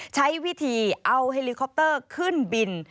ใช้วิธีเอาเฮลิคอปเตอร์ขึ้นบิน